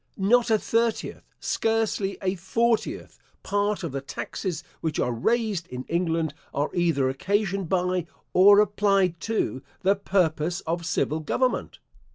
Not a thirtieth, scarcely a fortieth, part of the taxes which are raised in England are either occasioned by, or applied to, the purpose of civil government.